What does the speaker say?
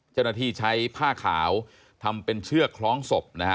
เจ้าหน้าที่ใช้ผ้าขาวทำเป็นเชือกคล้องศพนะฮะ